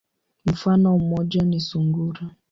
Mfano moja ni sungura.